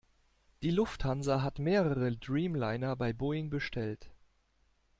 Die Lufthansa hat mehrere Dreamliner bei Boeing bestellt.